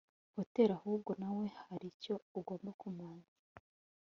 hotel ahubwo nawe haricyo ugomba kumanza